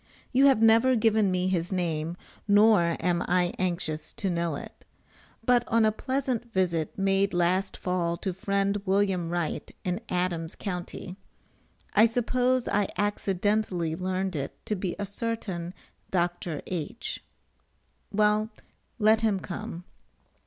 You have never given me his name, nor am I anxious to know it. But on a pleasant visit made last fall to friend Wm. Wright, in Adams Co., I suppose I accidentally learned it to be a certain Dr. H . Well, let him come.